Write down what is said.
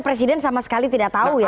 presiden sama sekali tidak tahu ya